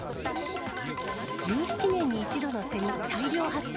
１７年に一度のセミ大量発生。